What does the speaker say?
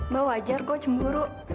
mbak wajar kok cemburu